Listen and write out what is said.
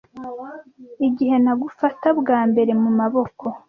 Igihe nagufata bwa mbere mu maboko,